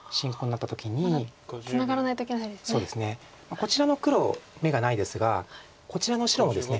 こちらの黒眼がないですがこちらの白もですね